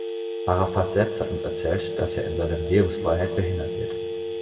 Arafat selbst hat uns erzählt, dass er in seiner Bewegungsfreiheit behindert wird.